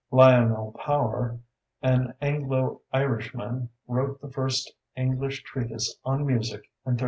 Lionel Power, an Anglo Irishman, wrote the first English treatise on music in 1395.